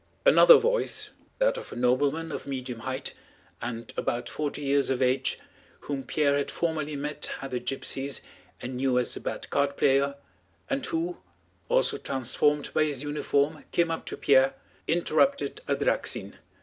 Another voice, that of a nobleman of medium height and about forty years of age, whom Pierre had formerly met at the gypsies' and knew as a bad cardplayer, and who, also transformed by his uniform, came up to Pierre, interrupted Adráksin.